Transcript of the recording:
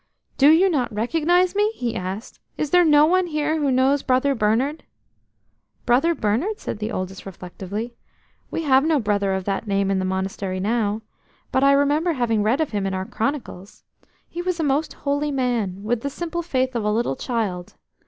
"Do you not recognise me?" he asked. "Is there no one here who knows Brother Bernard?" "'Brother Bernard'?" said the oldest, reflectively. "We have no Brother of that name in the Monastery now, but I remember having read of him in our chronicles. He was a most holy man, with the simple faith of a little child.